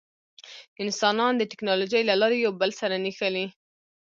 انسانان د ټکنالوجۍ له لارې یو بل سره نښلي.